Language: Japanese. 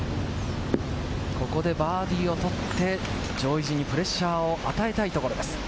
ここでバーディーを取って、上位陣にプレッシャーを与えたいところです。